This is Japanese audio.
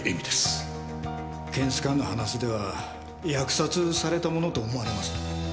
検視官の話では扼殺されたものと思われます。